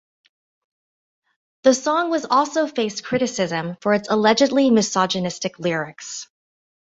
The song was also faced criticism for its allegedly misogynistic lyrics.